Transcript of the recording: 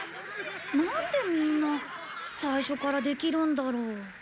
なんでみんな最初からできるんだろう。